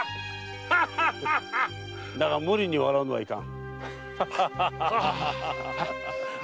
だが無理に笑うのはいかん。